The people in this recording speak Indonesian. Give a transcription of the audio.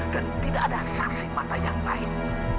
dan tidak ada saksi mata yang lain